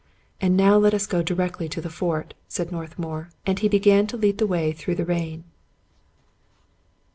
"And now let us go directly to the fort," said North mour ; and be began to lead the way through the rain.